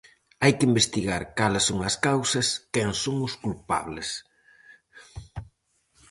Hai que investigar cales son as causas, quen son os culpables.